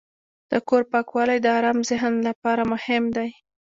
د کور پاکوالی د آرام ذهن لپاره مهم دی.